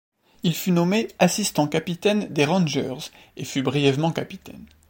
Il fut nommé assistant-capitaine des Rangers et fut brièvement capitaine.